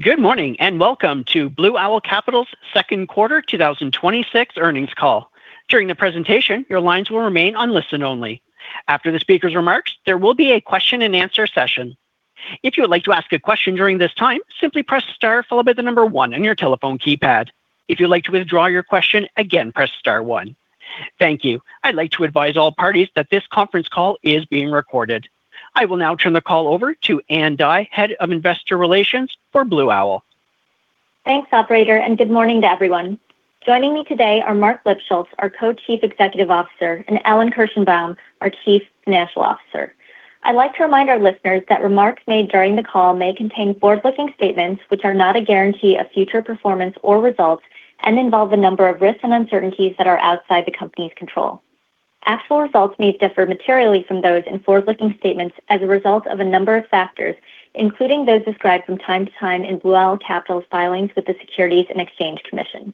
Good morning, welcome to Blue Owl Capital's second quarter 2026 earnings call. During the presentation, your lines will remain on listen only. After the speaker's remarks, there will be a question and answer session. If you would like to ask a question during this time, simply press star followed by the number one on your telephone keypad. If you'd like to withdraw your question, again, press star one. Thank you. I'd like to advise all parties that this conference call is being recorded. I will now turn the call over to Ann Dai, Head of Investor Relations for Blue Owl. Thanks, operator, good morning to everyone. Joining me today are Marc Lipschultz, our Co-Chief Executive Officer, and Alan Kirshenbaum, our Chief Financial Officer. I'd like to remind our listeners that remarks made during the call may contain forward-looking statements, which are not a guarantee of future performance or results and involve a number of risks and uncertainties that are outside the company's control. Actual results may differ materially from those in forward-looking statements as a result of a number of factors, including those described from time to time in Blue Owl Capital's filings with the Securities and Exchange Commission.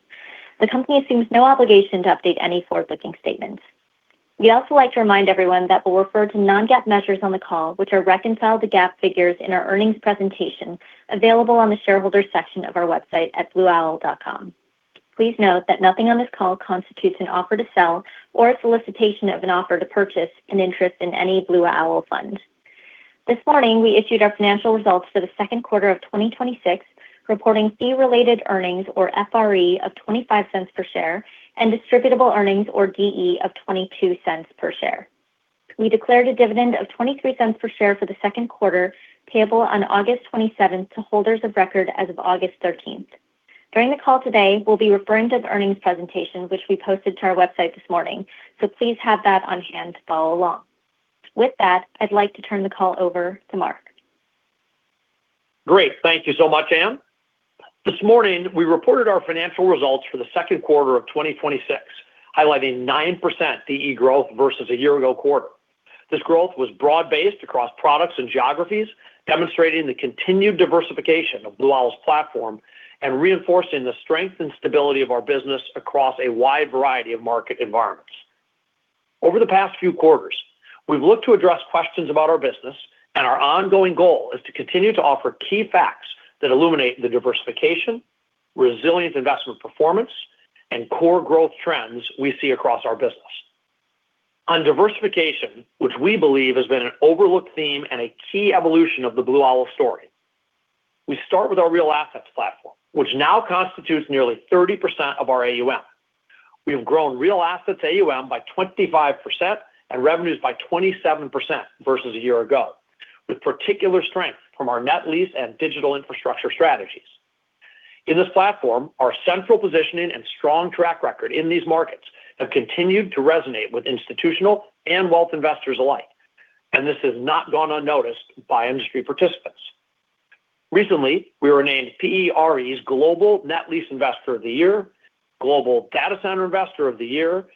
The company assumes no obligation to update any forward-looking statements. We'd also like to remind everyone that we'll refer to non-GAAP measures on the call, which are reconciled to GAAP figures in our earnings presentation, available on the shareholder section of our website at blueowl.com. Please note that nothing on this call constitutes an offer to sell or a solicitation of an offer to purchase an interest in any Blue Owl fund. This morning, we issued our financial results for the second quarter of 2026, reporting fee-related earnings, or FRE, of $0.25 per share and distributable earnings, or DE, of $0.22 per share. We declared a dividend of $0.23 per share for the second quarter, payable on August 27th to holders of record as of August 13th. During the call today, we'll be referring to the earnings presentation, which we posted to our website this morning. Please have that on hand to follow along. With that, I'd like to turn the call over to Marc. Great. Thank you so much, Ann. This morning, we reported our financial results for the second quarter of 2026, highlighting 9% DE growth versus a year ago quarter. This growth was broad-based across products and geographies, demonstrating the continued diversification of Blue Owl's platform and reinforcing the strength and stability of our business across a wide variety of market environments. Over the past few quarters, we've looked to address questions about our business, our ongoing goal is to continue to offer key facts that illuminate the diversification, resilient investment performance, and core growth trends we see across our business. On diversification, which we believe has been an overlooked theme and a key evolution of the Blue Owl story, we start with our real assets platform, which now constitutes nearly 30% of our AUM. We have grown real assets AUM by 25% and revenues by 27% versus a year ago, with particular strength from our Net Lease and Digital Infrastructure strategies. In this platform, our central positioning and strong track record in these markets have continued to resonate with institutional and wealth investors alike, and this has not gone unnoticed by industry participants. Recently, we were named PERE's Global Net Lease Investor of the Year, Global Data Center Investor of the Year,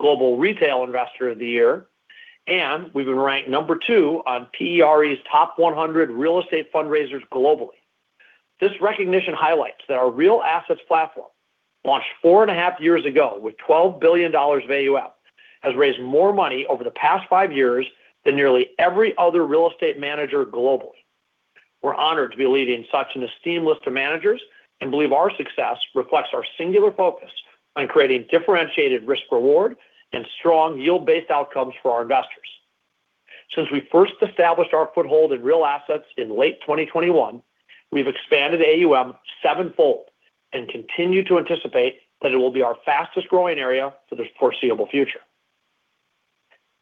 Global Retail Investor of the Year, and we've been ranked number two on PERE's Top 100 Real Estate Fundraisers globally. This recognition highlights that our real assets platform, launched four and a half years ago with $12 billion of AUM, has raised more money over the past five years than nearly every other real estate manager globally. We're honored to be leading such an esteemed list of managers and believe our success reflects our singular focus on creating differentiated risk-reward and strong yield-based outcomes for our investors. Since we first established our foothold in real assets in late 2021, we've expanded AUM sevenfold and continue to anticipate that it will be our fastest-growing area for the foreseeable future.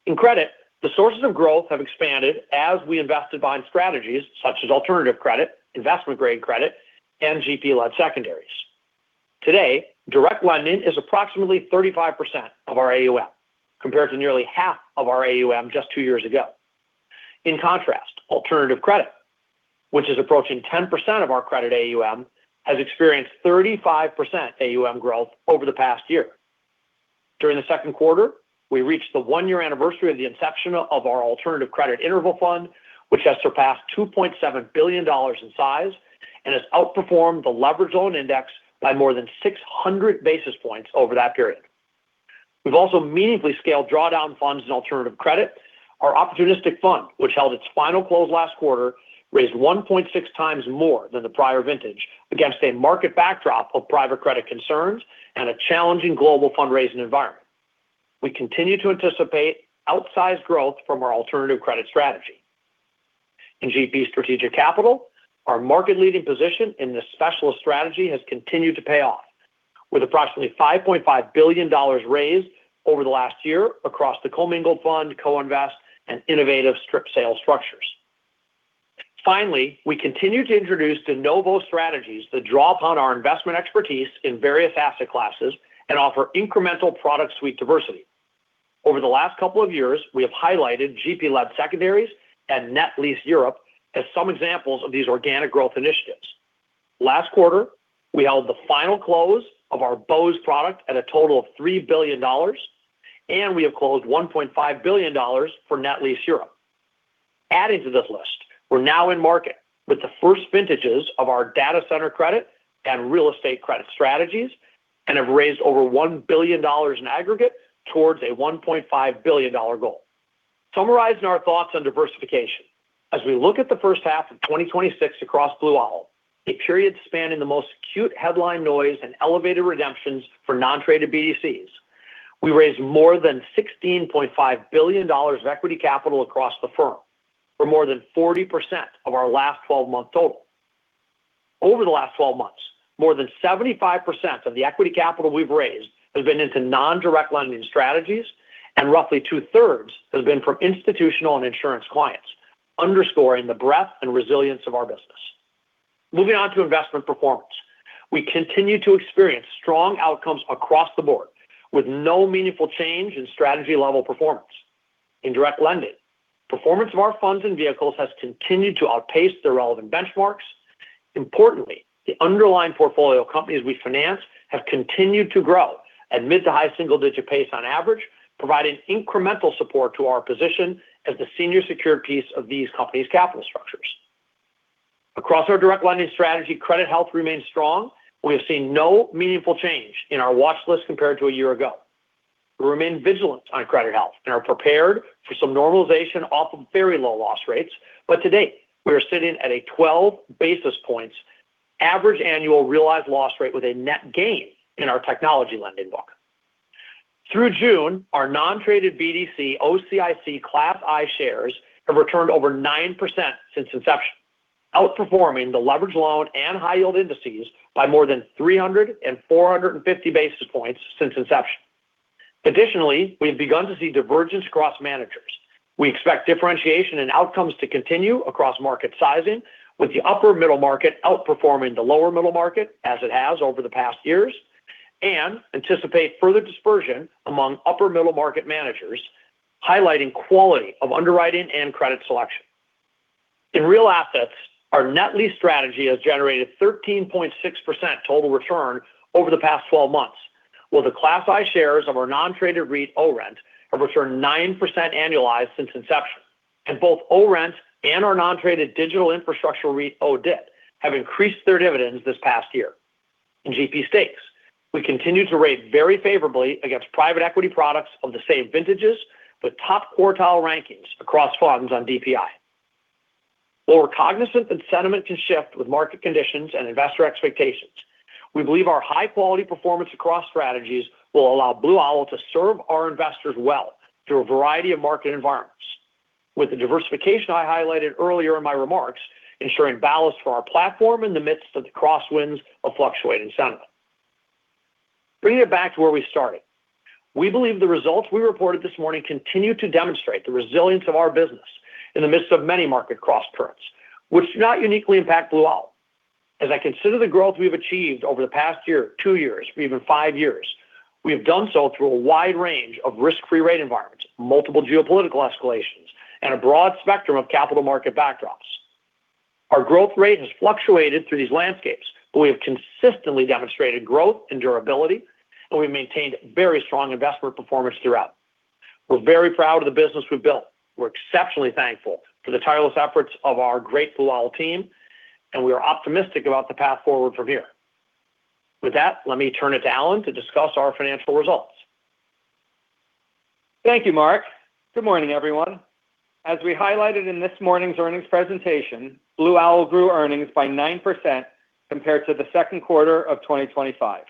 In credit, the sources of growth have expanded as we invested behind strategies such as Alternative Credit, investment-grade credit, and GP-led secondaries. Today, direct lending is approximately 35% of our AUM, compared to nearly half of our AUM just two years ago. In contrast, Alternative Credit, which is approaching 10% of our credit AUM, has experienced 35% AUM growth over the past year. During the second quarter, we reached the one-year anniversary of the inception of our Alternative Credit interval fund, which has surpassed $2.7 billion in size and has outperformed the leveraged loan index by more than 600 basis points over that period. We've also meaningfully scaled drawdown funds in Alternative Credit. Our opportunistic fund, which held its final close last quarter, raised 1.6 times more than the prior vintage against a market backdrop of private credit concerns and a challenging global fundraising environment. We continue to anticipate outsized growth from our Alternative Credit strategy. In GP strategic capital, our market-leading position in this specialist strategy has continued to pay off, with approximately $5.5 billion raised over the last year across the commingled fund, co-invest, and innovative strip sale structures. Finally, we continue to introduce de novo strategies that draw upon our investment expertise in various asset classes and offer incremental product suite diversity. Over the last couple of years, we have highlighted GP-led secondaries and Net Lease Europe as some examples of these organic growth initiatives. Last quarter, we held the final close of our BOSE product at a total of $3 billion, and we have closed $1.5 billion for Net Lease Europe. Adding to this list, we're now in market with the first vintages of our data center credit and real estate credit strategies and have raised over $1 billion in aggregate towards a $1.5 billion goal. Summarizing our thoughts on diversification. As we look at the first half of 2026 across Blue Owl, a period spanning the most acute headline noise and elevated redemptions for non-traded BDCs, we raised more than $16.5 billion of equity capital across the firm for more than 40% of our last 12-month total. Over the last 12 months, more than 75% of the equity capital we've raised has been into non-direct lending strategies, and roughly two-thirds has been from institutional and insurance clients, underscoring the breadth and resilience of our business. Moving on to investment performance. We continue to experience strong outcomes across the board, with no meaningful change in strategy level performance. In direct lending, performance of our funds and vehicles has continued to outpace the relevant benchmarks. Importantly, the underlying portfolio companies we finance have continued to grow at mid to high single digit pace on average, providing incremental support to our position as the senior secured piece of these companies' capital structures. Across our direct lending strategy, credit health remains strong. We have seen no meaningful change in our watch list compared to a year ago. We remain vigilant on credit health and are prepared for some normalization off of very low loss rates. To date, we are sitting at a 12 basis points average annual realized loss rate with a net gain in our technology lending book. Through June, our non-traded BDC OCIC Class I shares have returned over 9% since inception, outperforming the leveraged loan and high-yield indices by more than 300 and 450 basis points since inception. Additionally, we have begun to see divergence across managers. We expect differentiation and outcomes to continue across market sizing, with the upper middle market outperforming the lower middle market, as it has over the past years, and anticipate further dispersion among upper middle market managers, highlighting quality of underwriting and credit selection. In real assets, our Net Lease strategy has generated 13.6% total return over the past 12 months, while the Class I shares of our non-traded REIT ORENT have returned 9% annualized since inception, and both ORENT and our non-traded Digital Infrastructure REIT ODIT have increased their dividends this past year. In GP stakes, we continue to rate very favorably against private equity products of the same vintages with top quartile rankings across funds on DPI. While we're cognizant that sentiment can shift with market conditions and investor expectations, we believe our high-quality performance across strategies will allow Blue Owl to serve our investors well through a variety of market environments. With the diversification I highlighted earlier in my remarks, ensuring ballast for our platform in the midst of the crosswinds of fluctuating sentiment. Bringing it back to where we started. We believe the results we reported this morning continue to demonstrate the resilience of our business in the midst of many market crosscurrents, which do not uniquely impact Blue Owl. As I consider the growth we've achieved over the past year, two years, or even five years, we have done so through a wide range of risk-free rate environments, multiple geopolitical escalations, and a broad spectrum of capital market backdrops. Our growth rate has fluctuated through these landscapes, but we have consistently demonstrated growth and durability, and we've maintained very strong investment performance throughout. We're very proud of the business we've built. We're exceptionally thankful for the tireless efforts of our great Blue Owl team, and we are optimistic about the path forward from here. With that, let me turn it to Alan to discuss our financial results. Thank you, Marc. Good morning, everyone. As we highlighted in this morning's earnings presentation, Blue Owl grew earnings by 9% compared to the second quarter of 2025.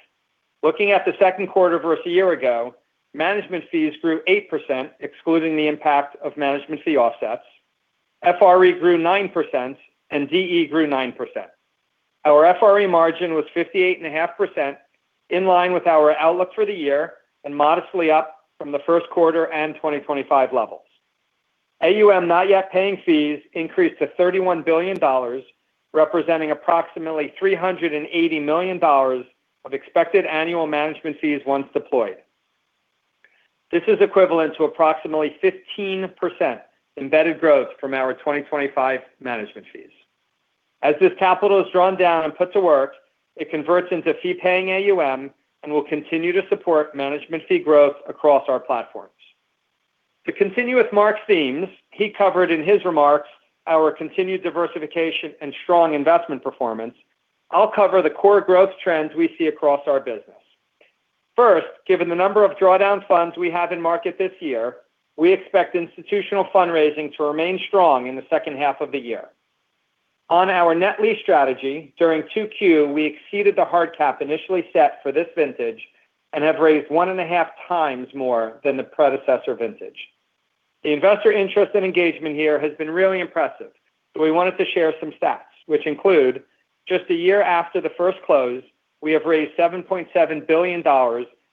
Looking at the second quarter versus a year ago, management fees grew 8%, excluding the impact of management fee offsets, FRE grew 9%, and DE grew 9%. Our FRE margin was 58.5%, in line with our outlook for the year and modestly up from the first quarter and 2025 levels. AUM not yet paying fees increased to $31 billion, representing approximately $380 million of expected annual management fees once deployed. This is equivalent to approximately 15% embedded growth from our 2025 management fees. As this capital is drawn down and put to work, it converts into fee-paying AUM and will continue to support management fee growth across our platforms. To continue with Marc's themes, he covered in his remarks our continued diversification and strong investment performance. I'll cover the core growth trends we see across our business. First, given the number of drawdown funds we have in market this year, we expect institutional fundraising to remain strong in the second half of the year. On our Net Lease strategy, during 2Q, we exceeded the hard cap initially set for this vintage and have raised one and a half times more than the predecessor vintage. The investor interest and engagement here has been really impressive, so we wanted to share some stats, which include, just a year after the first close, we have raised $7.7 billion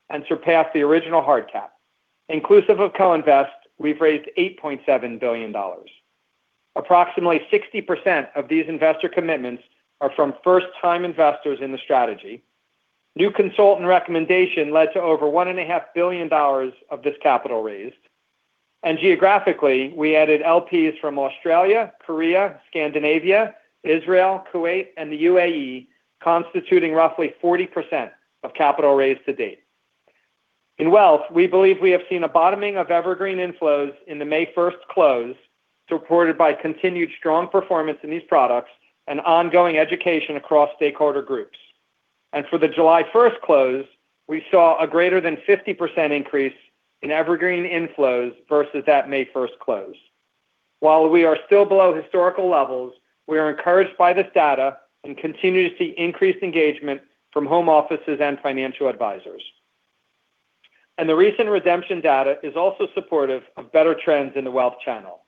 and surpassed the original hard cap. Inclusive of co-invest, we've raised $8.7 billion. Approximately 60% of these investor commitments are from first-time investors in the strategy. New consultant recommendation led to over $1.5 billion of this capital raised. Geographically, we added LPs from Australia, Korea, Scandinavia, Israel, Kuwait, and the UAE, constituting roughly 40% of capital raised to date. In wealth, we believe we have seen a bottoming of evergreen inflows in the May 1st close, supported by continued strong performance in these products and ongoing education across stakeholder groups. For the July 1st close, we saw a greater than 50% increase in evergreen inflows versus that May 1st close. While we are still below historical levels, we are encouraged by this data and continue to see increased engagement from home offices and financial advisors. The recent redemption data is also supportive of better trends in the wealth channel.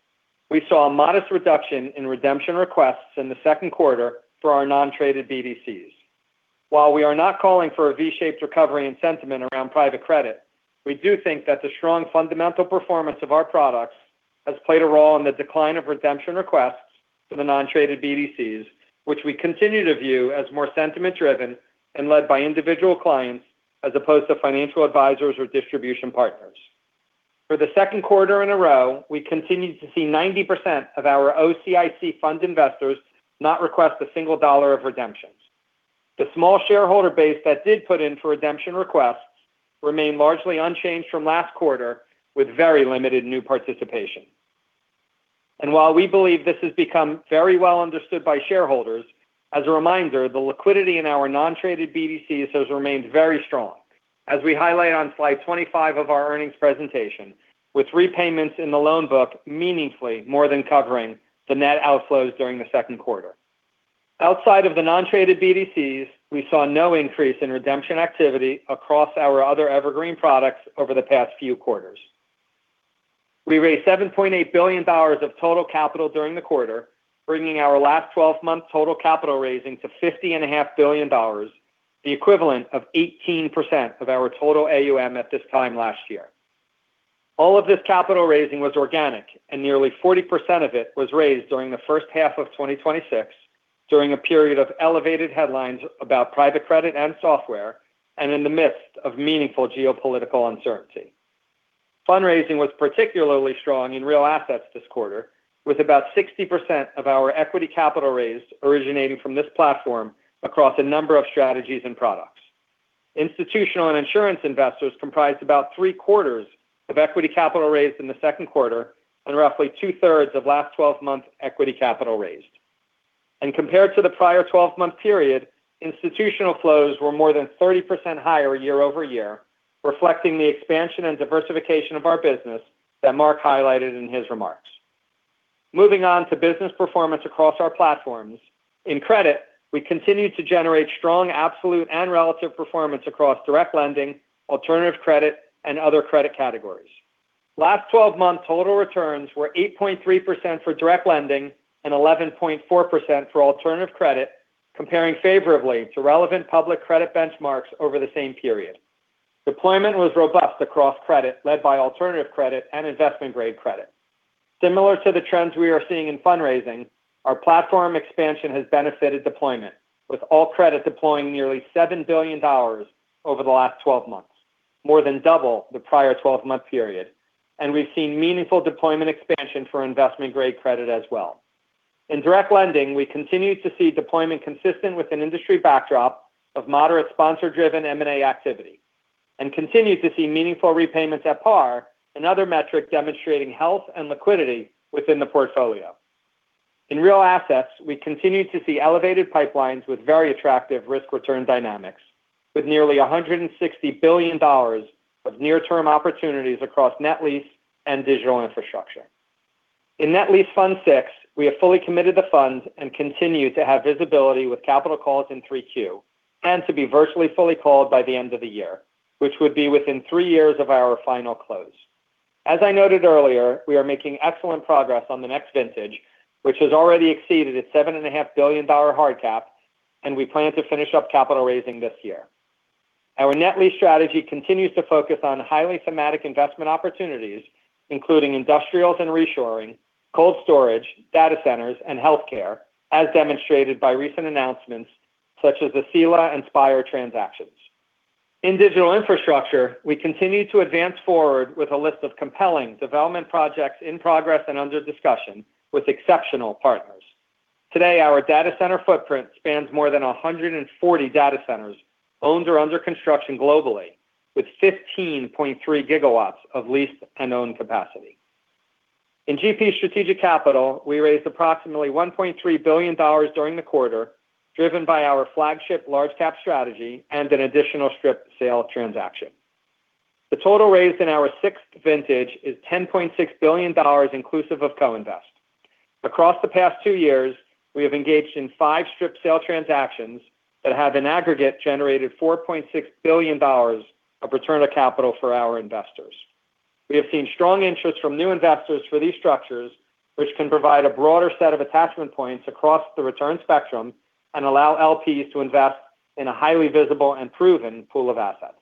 We saw a modest reduction in redemption requests in the second quarter for our non-traded BDCs. While we are not calling for a V-shaped recovery in sentiment around private credit, we do think that the strong fundamental performance of our products has played a role in the decline of redemption requests for the non-traded BDCs, which we continue to view as more sentiment-driven and led by individual clients as opposed to financial advisors or distribution partners. For the second quarter in a row, we continued to see 90% of our OCIC fund investors not request a single dollar of redemptions. The small shareholder base that did put in for redemption requests remained largely unchanged from last quarter, with very limited new participation. While we believe this has become very well understood by shareholders, as a reminder, the liquidity in our non-traded BDCs has remained very strong, as we highlight on slide 25 of our earnings presentation, with repayments in the loan book meaningfully more than covering the net outflows during the second quarter. Outside of the non-traded BDCs, we saw no increase in redemption activity across our other evergreen products over the past few quarters. We raised $7.8 billion of total capital during the quarter, bringing our last 12-month total capital raising to $50.5 billion, the equivalent of 18% of our total AUM at this time last year. All of this capital raising was organic, nearly 40% of it was raised during the first half of 2026 during a period of elevated headlines about private credit and software, in the midst of meaningful geopolitical uncertainty. Fundraising was particularly strong in real assets this quarter, with about 60% of our equity capital raised originating from this platform across a number of strategies and products. Institutional and insurance investors comprised about three-quarters of equity capital raised in the second quarter, roughly two-thirds of last 12 months equity capital raised. Compared to the prior 12-month period, institutional flows were more than 30% higher year-over-year, reflecting the expansion and diversification of our business that Marc highlighted in his remarks. Moving on to business performance across our platforms. In credit, we continued to generate strong absolute and relative performance across direct lending, Alternative Credit, and other credit categories. Last 12-month total returns were 8.3% for direct lending and 11.4% for Alternative Credit, comparing favorably to relevant public credit benchmarks over the same period. Deployment was robust across credit, led by Alternative Credit and investment-grade credit. Similar to the trends we are seeing in fundraising, our platform expansion has benefited deployment, with all credit deploying nearly $7 billion over the last 12 months, more than double the prior 12-month period. We've seen meaningful deployment expansion for investment-grade credit as well. In direct lending, we continued to see deployment consistent with an industry backdrop of moderate sponsor-driven M&A activity, continued to see meaningful repayments at par, another metric demonstrating health and liquidity within the portfolio. In real assets, we continued to see elevated pipelines with very attractive risk-return dynamics, with nearly $160 billion of near-term opportunities across Net Lease and Digital Infrastructure. In Net Lease Fund VI, we have fully committed the funds and continue to have visibility with capital calls in 3Q, to be virtually fully called by the end of the year, which would be within three years of our final close. As I noted earlier, we are making excellent progress on the next vintage, which has already exceeded its $7.5 billion hard cap, and we plan to finish up capital raising this year. Our Net Lease strategy continues to focus on highly thematic investment opportunities, including industrials and reshoring, cold storage, data centers, and healthcare, as demonstrated by recent announcements such as the Sila and Spire transactions. In Digital Infrastructure, we continue to advance forward with a list of compelling development projects in progress and under discussion with exceptional partners. Today, our data center footprint spans more than 140 data centers owned or under construction globally, with 15.3 gigawatts of leased and owned capacity. In GP strategic capital, we raised approximately $1.3 billion during the quarter, driven by our flagship large cap strategy and an additional strip sale transaction. The total raised in our sixth vintage is $10.6 billion inclusive of co-invest. Across the past two years, we have engaged in five strip sale transactions that have in aggregate generated $4.6 billion of return of capital for our investors. We have seen strong interest from new investors for these structures, which can provide a broader set of attachment points across the return spectrum and allow LPs to invest in a highly visible and proven pool of assets.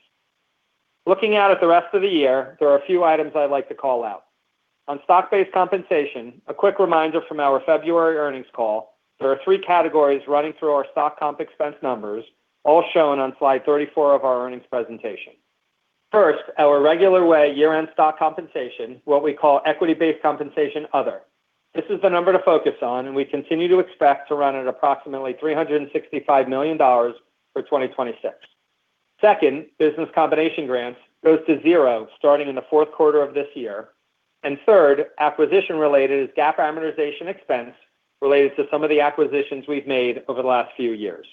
Looking out at the rest of the year, there are a few items I'd like to call out. On stock-based compensation, a quick reminder from our February earnings call, there are three categories running through our stock comp expense numbers, all shown on slide 34 of our earnings presentation. First, our regular way year-end stock compensation, what we call equity-based compensation other. This is the number to focus on. We continue to expect to run at approximately $365 million for 2026. Second, business combination grants goes to zero starting in the fourth quarter of this year. Third, acquisition-related is GAAP amortization expense related to some of the acquisitions we've made over the last few years.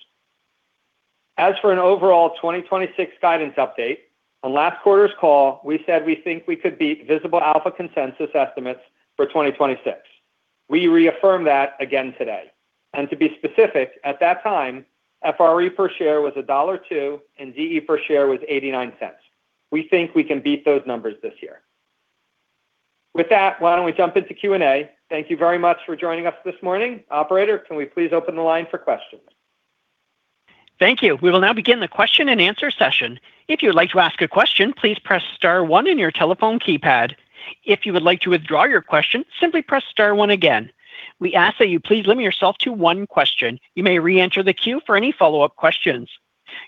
As for an overall 2026 guidance update, on last quarter's call, we said we think we could beat Visible Alpha consensus estimates for 2026. We reaffirm that again today. To be specific, at that time, FRE per share was $1.02, and DE per share was $0.89. We think we can beat those numbers this year. With that, why don't we jump into Q&A? Thank you very much for joining us this morning. Operator, can we please open the line for questions? Thank you. We will now begin the question and answer session. If you would like to ask a question, please press star one on your telephone keypad. If you would like to withdraw your question, simply press star one again. We ask that you please limit yourself to one question. You may re-enter the queue for any follow-up questions.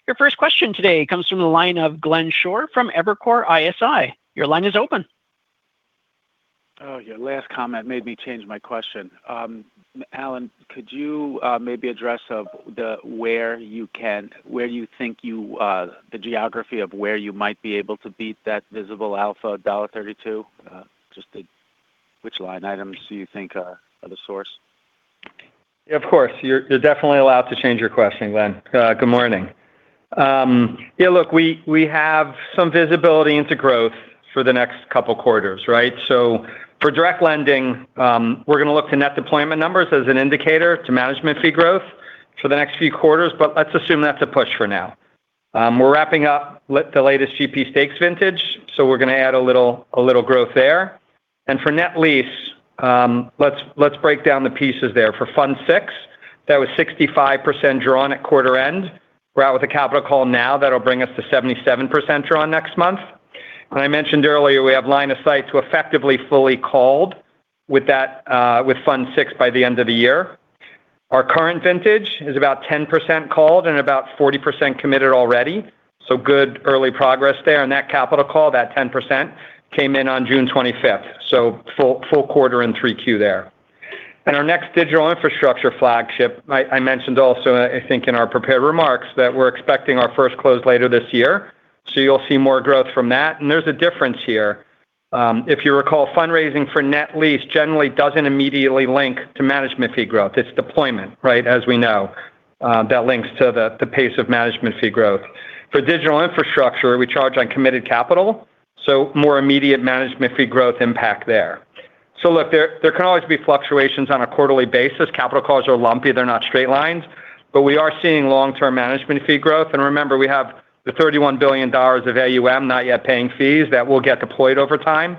Your first question today comes from the line of Glenn Schorr from Evercore ISI. Your line is open. Oh, your last comment made me change my question. Alan, could you maybe address where you think the geography of where you might be able to beat that Visible Alpha $1.32? Which line items do you think are the source? Yeah, of course. You're definitely allowed to change your question, Glenn. Good morning. Yeah, look, we have some visibility into growth for the next couple quarters. For direct lending, we're going to look to net deployment numbers as an indicator to management fee growth for the next few quarters. Let's assume that's a push for now. We're wrapping up the latest GP stakes vintage. We're going to add a little growth there. For Net Lease, let's break down the pieces there. For Fund VI, that was 65% drawn at quarter end. We're out with a capital call now that'll bring us to 77% drawn next month. I mentioned earlier, we have line of sight to effectively fully called with Fund VI by the end of the year. Our current vintage is about 10% called and about 40% committed already, good early progress there. On that capital call, that 10% came in on June 25th, full quarter in 3Q there. Our next Digital Infrastructure flagship, I mentioned also, I think in our prepared remarks, that we're expecting our first close later this year. You'll see more growth from that. There's a difference here. If you recall, fundraising for Net Lease generally doesn't immediately link to management fee growth. It's deployment, as we know, that links to the pace of management fee growth. For Digital Infrastructure, we charge on committed capital, more immediate management fee growth impact there. Look, there can always be fluctuations on a quarterly basis. Capital calls are lumpy. They're not straight lines. We are seeing long-term management fee growth. Remember, we have the $31 billion of AUM not yet paying fees that will get deployed over time.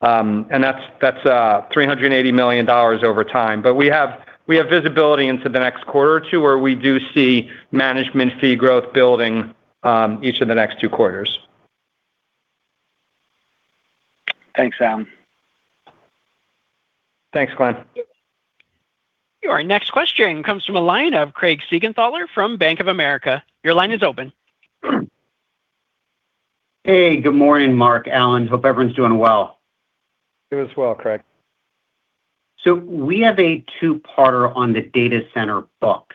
That's $380 million over time. We have visibility into the next quarter or two where we do see management fee growth building each of the next two quarters. Thanks, Alan. Thanks, Glenn. Your next question comes from the line of Craig Siegenthaler from Bank of America. Your line is open. Hey, good morning, Marc, Alan. Hope everyone's doing well. Doing as well, Craig. We have a two-parter on the data center book.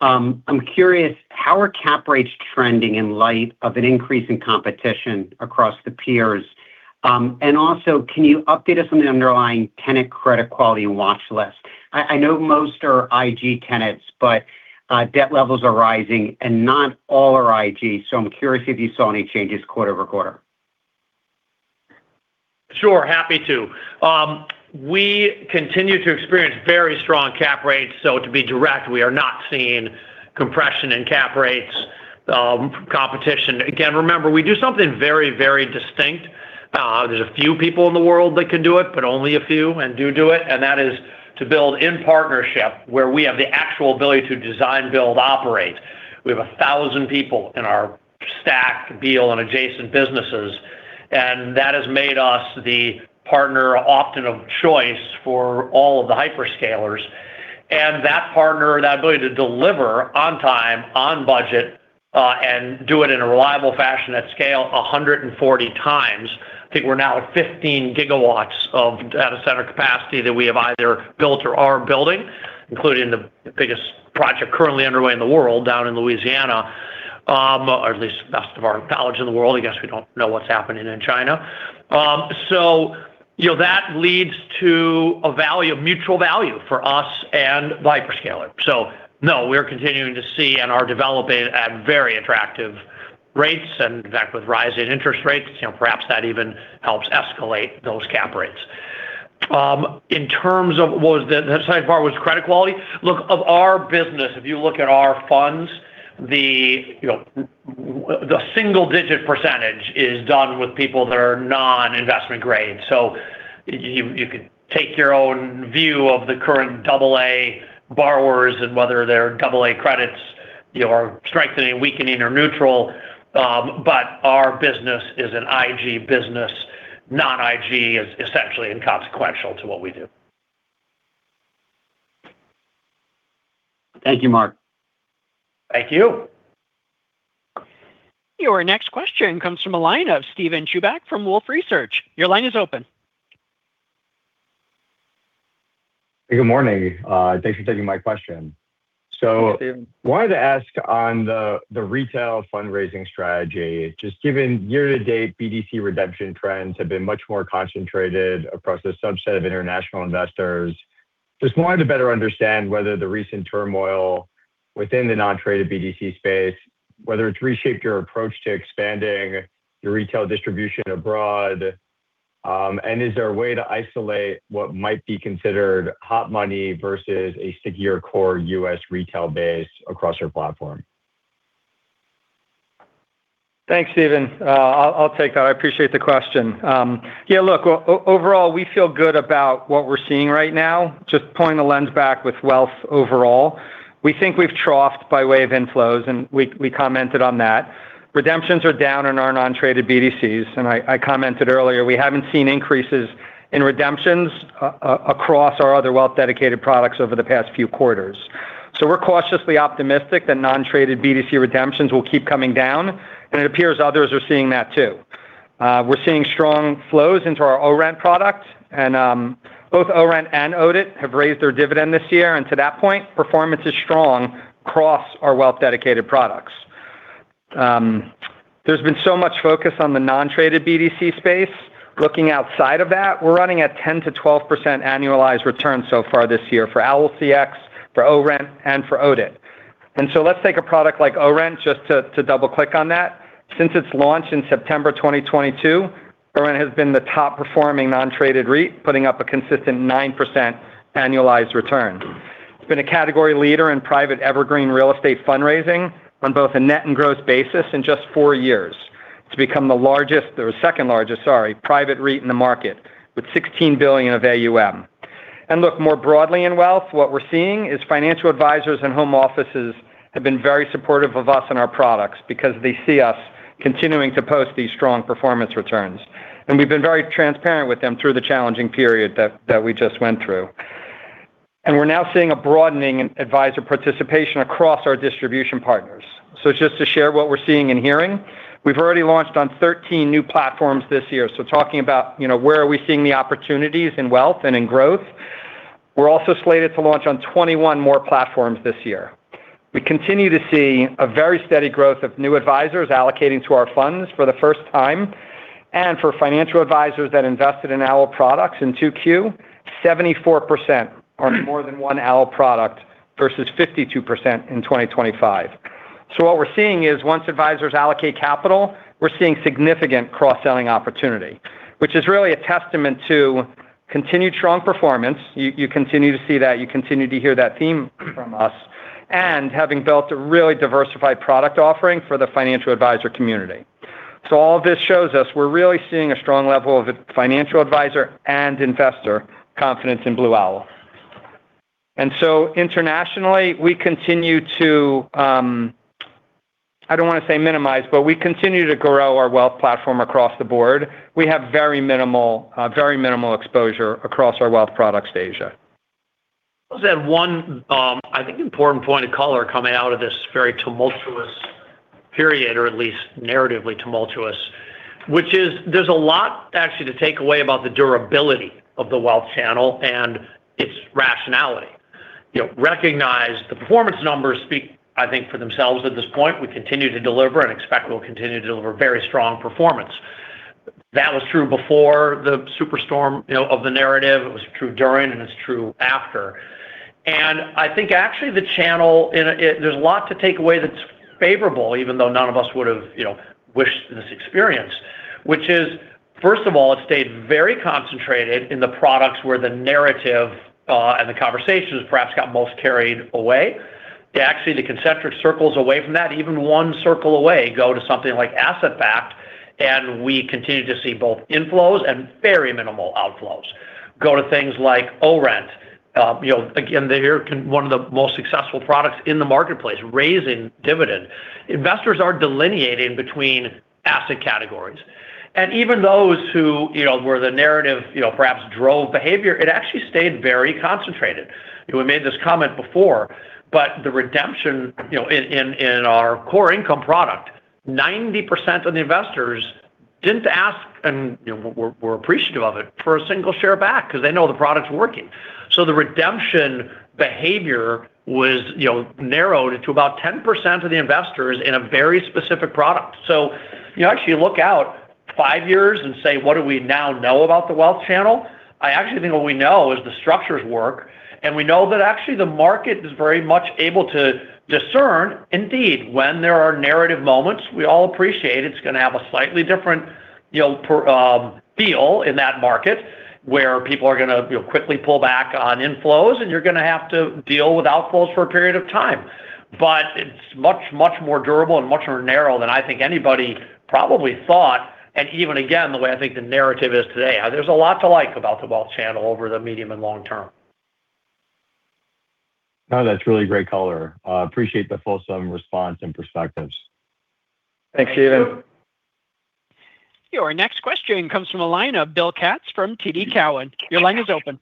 I'm curious, how are cap rates trending in light of an increase in competition across the peers? Can you update us on the underlying tenant credit quality and watchlist? I know most are IG tenants, but debt levels are rising and not all are IG, so I'm curious if you saw any changes quarter-over-quarter. Sure. Happy to. We continue to experience very strong cap rates. To be direct, we are not seeing compression in cap rates competition. Remember, we do something very distinct. There's a few people in the world that can do it, but only a few, and do it. That is to build in partnership where we have the actual ability to design, build, operate. We have 1,000 people in our capital stack and adjacent businesses. That has made us the partner often of choice for all of the hyperscalers. That partner, that ability to deliver on time, on budget, and do it in a reliable fashion at scale 140 times. I think we're now at 15 GW of data center capacity that we have either built or are building, including the biggest project currently underway in the world down in Louisiana, or at least to the best of our knowledge in the world. I guess we don't know what's happening in China. That leads to a mutual value for us and the hyperscaler. No, we're continuing to see and are developing at very attractive rates. In fact, with rising interest rates, perhaps that even helps escalate those cap rates. In terms of what was the other side part was credit quality? Look, of our business, if you look at our funds, the single-digit percentage is done with people that are non-investment grade. You could take your own view of the current AA borrowers and whether they're AA credits, are strengthening, weakening, or neutral. Our business is an IG business. Non-IG is essentially inconsequential to what we do. Thank you, Marc. Thank you. Your next question comes from a line of Steven Chubak from Wolfe Research. Your line is open. Good morning. Thanks for taking my question. Wanted to ask on the retail fundraising strategy, just given year-to-date BDC redemption trends have been much more concentrated across a subset of international investors. Just wanted to better understand whether the recent turmoil within the non-traded BDC space, whether it's reshaped your approach to expanding your retail distribution abroad. Is there a way to isolate what might be considered hot money versus a stickier core U.S. retail base across your platform? Thanks, Steven. I'll take that. I appreciate the question. Overall, we feel good about what we're seeing right now. Just pulling the lens back with wealth overall, we think we've troughed by way of inflows, and we commented on that. Redemptions are down in our non-traded BDCs, and I commented earlier, we haven't seen increases in redemptions across our other wealth-dedicated products over the past few quarters. We're cautiously optimistic that non-traded BDC redemptions will keep coming down, and it appears others are seeing that too. We're seeing strong flows into our ORENT product, and both ORENT and ODIT have raised their dividend this year. To that point, performance is strong across our wealth-dedicated products. There's been so much focus on the non-traded BDC space. Looking outside of that, we're running at 10%-12% annualized return so far this year for OWLCX, for ORENT, and for ODIT. Let's take a product like ORENT, just to double-click on that. Since its launch in September 2022, ORENT has been the top-performing non-traded REIT, putting up a consistent 9% annualized return. It's been a category leader in private evergreen real estate fundraising on both a net and gross basis in just four years to become the second-largest private REIT in the market, with $16 billion of AUM. More broadly in wealth, what we're seeing is financial advisors and home offices have been very supportive of us and our products because they see us continuing to post these strong performance returns. We've been very transparent with them through the challenging period that we just went through. We're now seeing a broadening in advisor participation across our distribution partners. Just to share what we're seeing and hearing, we've already launched on 13 new platforms this year. Talking about where are we seeing the opportunities in wealth and in growth, we're also slated to launch on 21 more platforms this year. We continue to see a very steady growth of new advisors allocating to our funds for the first time. For financial advisors that invested in Owl products in 2Q, 74% are in more than one Owl product versus 52% in 2025. What we're seeing is once advisors allocate capital, we're seeing significant cross-selling opportunity, which is really a testament to continued strong performance. You continue to see that, you continue to hear that theme from us, and having built a really diversified product offering for the financial advisor community. All this shows us we're really seeing a strong level of financial advisor and investor confidence in Blue Owl. Internationally, we continue to, I don't want to say minimize, but we continue to grow our wealth platform across the board. We have very minimal exposure across our wealth products to Asia. I'll just add one, I think important point of color coming out of this very tumultuous period, or at least narratively tumultuous, which is there's a lot actually to take away about the durability of the wealth channel and its rationality. Recognize the performance numbers speak, I think, for themselves at this point. We continue to deliver and expect we'll continue to deliver very strong performance. That was true before the super storm of the narrative. It was true during, and it's true after. I think actually the channel, there's a lot to take away that's favorable, even though none of us would've wished this experience. Which is, first of all, it stayed very concentrated in the products where the narrative and the conversations perhaps got most carried away. Actually, the concentric circles away from that, even one circle away, go to something like Asset-Backed, and we continue to see both inflows and very minimal outflows. Go to things like ORENT. Again, one of the most successful products in the marketplace, raising dividend. Investors are delineating between asset categories. Even those who where the narrative perhaps drove behavior, it actually stayed very concentrated. We made this comment before, but the redemption in our core income product, 90% of the investors didn't ask, and were appreciative of it, for a single share back because they know the product's working. The redemption behavior was narrowed to about 10% of the investors in a very specific product. You actually look out five years and say, what do we now know about the wealth channel? I actually think what we know is the structures work, and we know that actually the market is very much able to discern indeed, when there are narrative moments. We all appreciate it's going to have a slightly different feel in that market where people are going to quickly pull back on inflows, and you're going to have to deal with outflows for a period of time. It's much, much more durable and much more narrow than I think anybody probably thought, and even, again, the way I think the narrative is today. There's a lot to like about the wealth channel over the medium and long term. That's really great color. Appreciate the fulsome response and perspectives. Thanks, Steven. Thank you. Our next question comes from the line of Bill Katz from TD Cowen. Your line is open.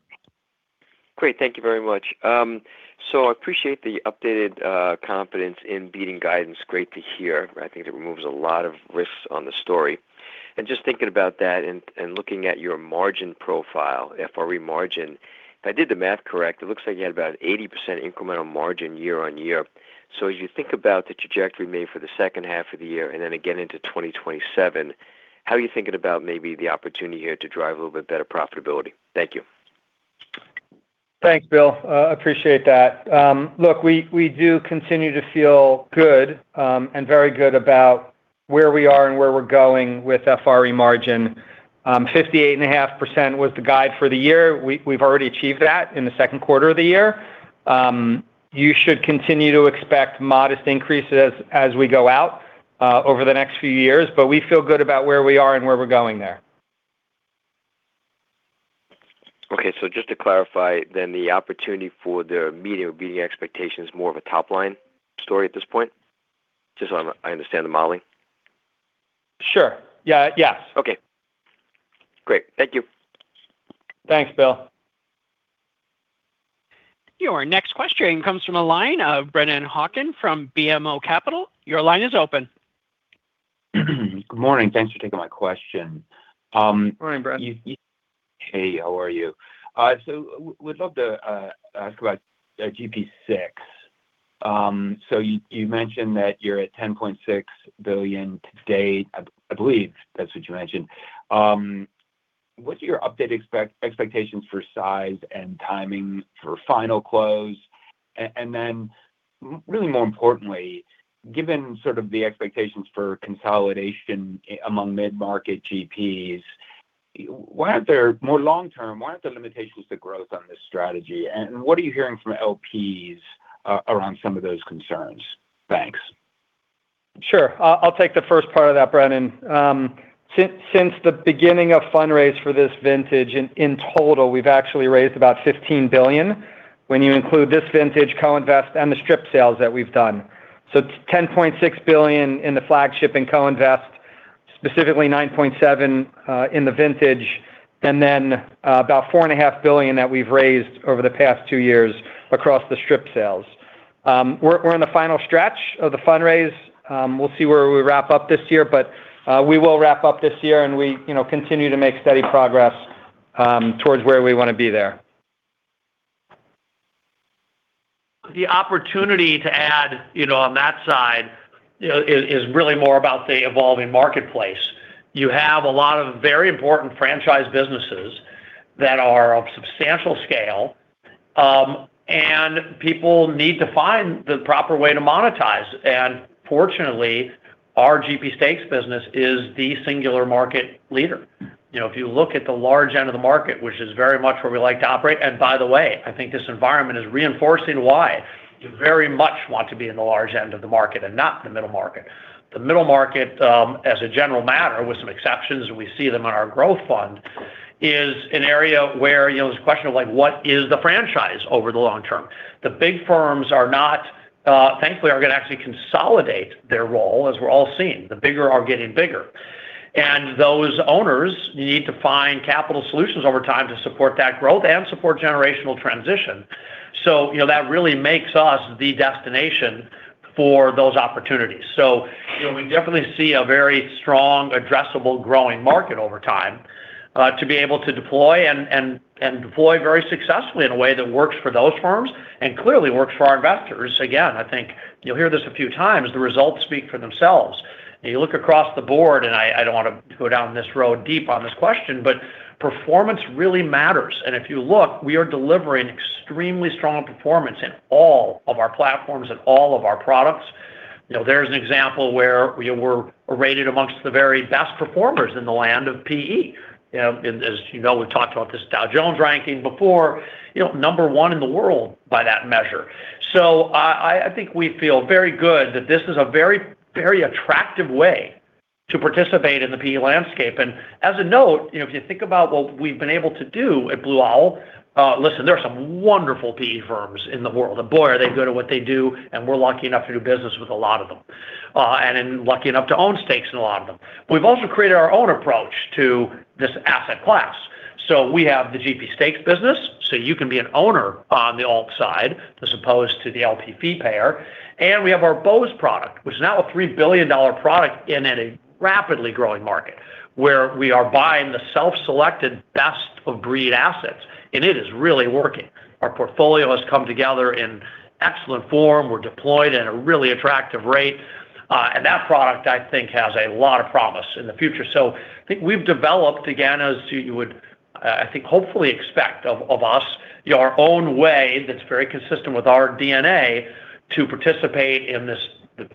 Great. Thank you very much. I appreciate the updated confidence in beating guidance. Great to hear. I think it removes a lot of risks on the story. Just thinking about that and looking at your margin profile, FRE margin. If I did the math correct, it looks like you had about an 80% incremental margin year-on-year. As you think about the trajectory maybe for the second half of the year and then again into 2027, how are you thinking about maybe the opportunity here to drive a little bit better profitability? Thank you. Thanks, Bill. I appreciate that. Look, we do continue to feel good, and very good about where we are and where we're going with FRE margin. 58.5% was the guide for the year. We've already achieved that in the second quarter of the year. You should continue to expect modest increases as we go out over the next few years, but we feel good about where we are and where we're going there. Okay. Just to clarify, then the opportunity for the meeting or beating expectations is more of a top-line story at this point? Just so I understand the modeling. Sure. Yeah. Okay, great. Thank you. Thanks, Bill. Your next question comes from the line of Brennan Hawken from BMO Capital. Your line is open. Good morning. Thanks for taking my question. Morning, Brennan. Hey, how are you? Would love to ask about GP VI. You mentioned that you're at $10.6 billion to date. I believe that's what you mentioned. What's your updated expectations for size and timing for final close? And then really more importantly, given sort of the expectations for consolidation among mid-market GPs, more long-term, what are the limitations to growth on this strategy, and what are you hearing from LPs around some of those concerns? Thanks. Sure. I'll take the first part of that, Brennan. Since the beginning of fundraise for this vintage, in total, we've actually raised about $15 billion. When you include this vintage co-invest and the strip sales that we've done. $10.6 billion in the flagship and co-invest, specifically $9.7 billion in the vintage, and then about $4.5 billion that we've raised over the past two years across the strip sales. We're in the final stretch of the fundraise. We'll see where we wrap up this year, but we will wrap up this year, and we continue to make steady progress towards where we want to be there. The opportunity to add on that side is really more about the evolving marketplace. You have a lot of very important franchise businesses that are of substantial scale, and people need to find the proper way to monetize. Fortunately, our GP stakes business is the singular market leader. If you look at the large end of the market, which is very much where we like to operate, and by the way, I think this environment is reinforcing why you very much want to be in the large end of the market and not the middle market. The middle market, as a general matter, with some exceptions, and we see them in our growth fund, is an area where there's a question of what is the franchise over the long term? The big firms thankfully are going to actually consolidate their role, as we're all seeing. The bigger are getting bigger. Those owners need to find capital solutions over time to support that growth and support generational transition. That really makes us the destination for those opportunities. We definitely see a very strong addressable growing market over time, to be able to deploy and deploy very successfully in a way that works for those firms and clearly works for our investors. Again, I think you'll hear this a few times, the results speak for themselves. You look across the board, and I don't want to go down this road deep on this question, but performance really matters. If you look, we are delivering extremely strong performance in all of our platforms and all of our products. There's an example where we're rated amongst the very best performers in the land of PE. As you know, we've talked about this Dow Jones ranking before, number one in the world by that measure. I think we feel very good that this is a very attractive way to participate in the PE landscape. As a note, if you think about what we've been able to do at Blue Owl, listen, there are some wonderful PE firms in the world, and boy, are they good at what they do, and we're lucky enough to do business with a lot of them. Lucky enough to own stakes in a lot of them. We've also created our own approach to this asset class. We have the GP stakes business, so you can be an owner on the alt side as opposed to the LP fee payer. We have our BOSE product, which is now a $3 billion product and in a rapidly growing market, where we are buying the self-selected best of breed assets, and it is really working. Our portfolio has come together in excellent form. We're deployed at a really attractive rate. That product, I think, has a lot of promise in the future. I think we've developed, again, as you would, I think, hopefully expect of us, our own way that's very consistent with our DNA to participate in this,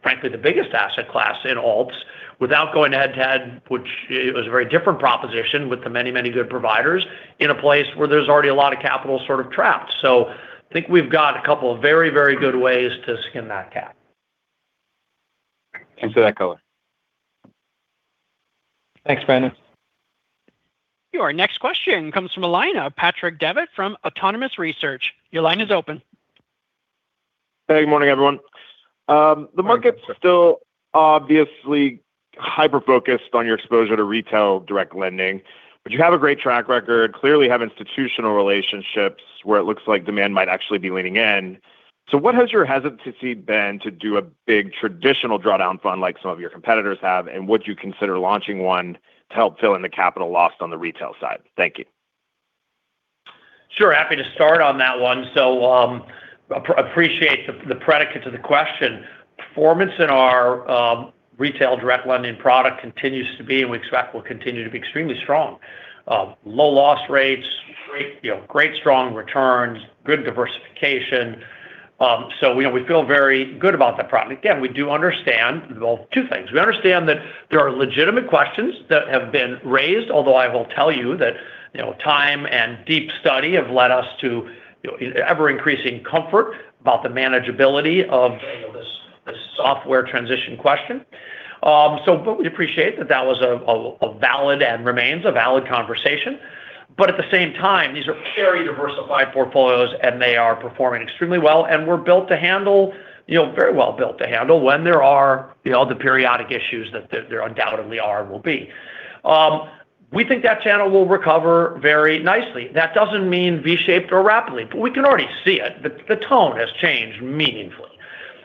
frankly, the biggest asset class in alts without going head-to-head, which it was a very different proposition with the many good providers in a place where there's already a lot of capital sort of trapped. I think we've got a couple of very good ways to skin that cat. Thanks for that color. Thanks, Brennan. Your next question comes from a line of Patrick Davitt from Autonomous Research. Your line is open. Hey, good morning, everyone. The market's still obviously hyper-focused on your exposure to retail direct lending. You have a great track record, clearly have institutional relationships where it looks like demand might actually be leaning in. What has your hesitancy been to do a big traditional drawdown fund like some of your competitors have, and would you consider launching one to help fill in the capital lost on the retail side? Thank you. Sure. Happy to start on that one. Appreciate the predicate to the question. Performance in our retail direct lending product continues to be, and we expect will continue to be, extremely strong. Low loss rates, great strong returns, good diversification. We feel very good about that product. Again, we do understand two things. We understand that there are legitimate questions that have been raised, although I will tell you that time and deep study have led us to ever-increasing comfort about the manageability of this software transition question. We appreciate that that was a valid, and remains a valid, conversation. At the same time, these are very diversified portfolios, and they are performing extremely well, and we're very well built to handle when there are the periodic issues that there undoubtedly are and will be. We think that channel will recover very nicely. That doesn't mean V-shaped or rapidly, but we can already see it. The tone has changed meaningfully.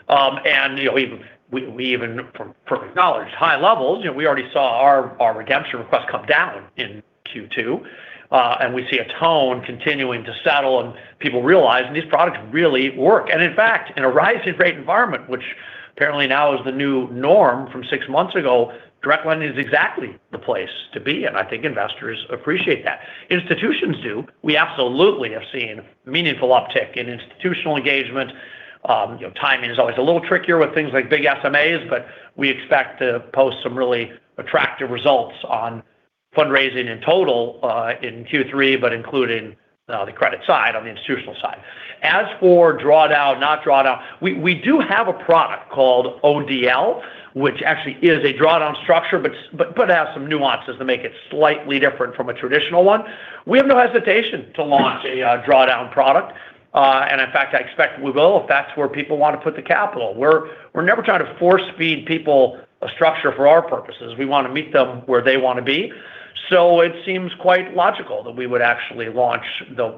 We even from acknowledged high levels, we already saw our redemption requests come down in Q2. We see a tone continuing to settle and people realizing these products really work. In fact, in a rising rate environment, which apparently now is the new norm from six months ago, direct lending is exactly the place to be, and I think investors appreciate that. Institutions do. We absolutely have seen a meaningful uptick in institutional engagement. Timing is always a little trickier with things like big SMAs, but we expect to post some really attractive results on fundraising in total, in Q3, but including the credit side on the institutional side. As for drawdown, not drawdown, we do have a product called ODL, which actually is a drawdown structure, but it has some nuances that make it slightly different from a traditional one. We have no hesitation to launch a drawdown product. In fact, I expect we will if that's where people want to put the capital. We're never trying to force-feed people a structure for our purposes. We want to meet them where they want to be. It seems quite logical that we would actually launch the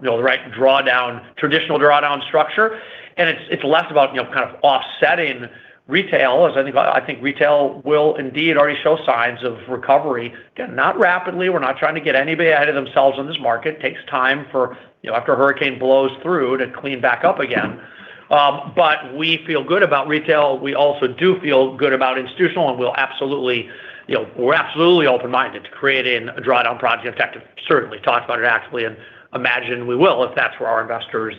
traditional drawdown structure. It's less about kind of offsetting retail, as I think retail will indeed already show signs of recovery. Again, not rapidly. We're not trying to get anybody ahead of themselves in this market. Takes time after a hurricane blows through, to clean back up again. We feel good about retail. We also do feel good about institutional, and we're absolutely open-minded to creating a drawdown project. In fact, we've certainly talked about it actively, and imagine we will if that's where our investors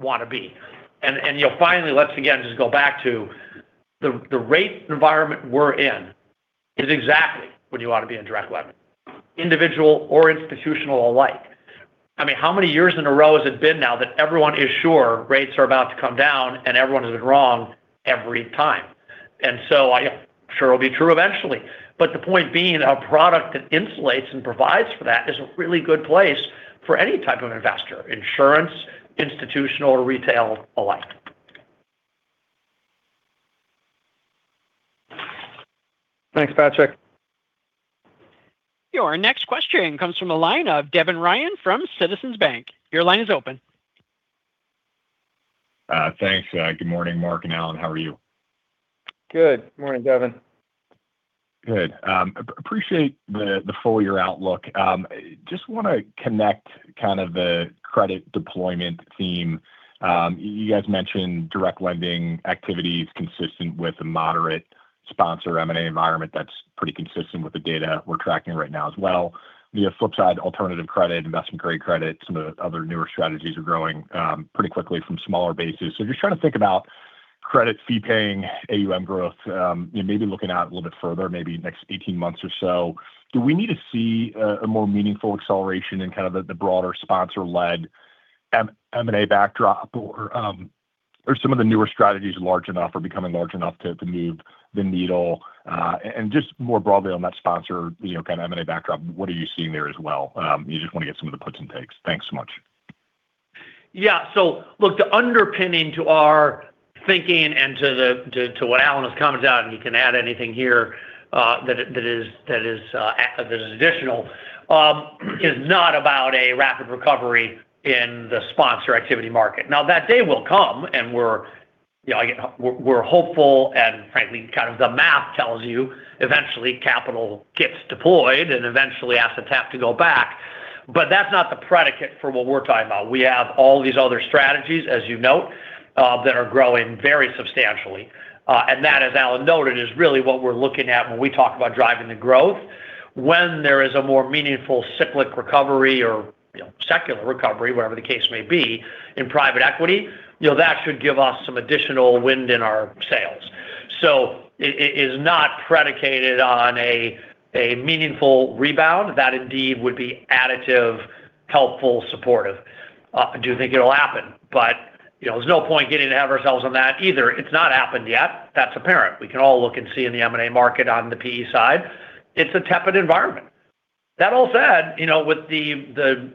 want to be. Finally, let's again just go back to the rate environment we're in is exactly when you want to be in direct lending, individual or institutional alike. I mean, how many years in a row has it been now that everyone is sure rates are about to come down and everyone has been wrong every time? So I am sure it will be true eventually. The point being, a product that insulates and provides for that is a really good place for any type of investor: insurance, institutional, retail, alike. Thanks, Patrick. Your next question comes from the line of Devin Ryan from Citizens Bank. Your line is open. Thanks. Good morning, Marc and Alan. How are you? Good morning, Devin. Good. Appreciate the full-year outlook. Just want to connect kind of the credit deployment theme. You guys mentioned direct lending activities consistent with a moderate sponsor M&A environment. That's pretty consistent with the data we're tracking right now as well. The flip side, Alternative Credit, investment-grade credit, some of the other newer strategies are growing pretty quickly from smaller bases. Just trying to think about credit fee-paying AUM growth, maybe looking out a little bit further, maybe the next 18 months or so, do we need to see a more meaningful acceleration in kind of the broader sponsor-led M&A backdrop? Are some of the newer strategies large enough or becoming large enough to move the needle? Just more broadly on that sponsor kind of M&A backdrop, what are you seeing there as well? Just want to get some of the puts and takes. Thanks so much. Yeah. Look, the underpinning to our thinking and to what Alan has commented on, he can add anything here that is additional, is not about a rapid recovery in the sponsor activity market. Now that day will come, we're hopeful and frankly, kind of the math tells you eventually capital gets deployed and eventually assets have to go back. That's not the predicate for what we're talking about. We have all these other strategies, as you note, that are growing very substantially. That, as Alan noted, is really what we're looking at when we talk about driving the growth. When there is a more meaningful cyclic recovery or secular recovery, whatever the case may be, in private equity, that should give us some additional wind in our sails. It is not predicated on a meaningful rebound. That indeed would be additive, helpful, supportive. Do think it'll happen, there's no point getting ahead of ourselves on that either. It's not happened yet. That's apparent. We can all look and see in the M&A market on the PE side. It's a tepid environment. That all said, with the,